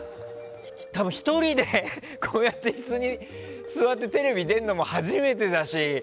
多分、１人でこうやって普通に座ってテレビ出るのも初めてだし。